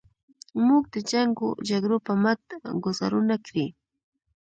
موږ د جنګ و جګړو په مټ ګوزارونه کړي.